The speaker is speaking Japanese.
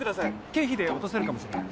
経費で落とせるかもしれない。